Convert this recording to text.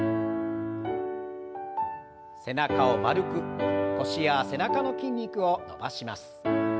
背中を丸く腰や背中の筋肉を伸ばします。